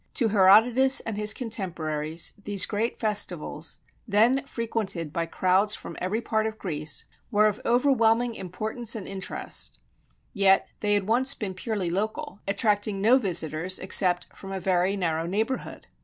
To Herodotus and his contemporaries these great festivals, then frequented by crowds from every part of Greece, were of overwhelming importance and interest; yet they had once been purely local, attracting no visitors except from a very narrow neighborhood.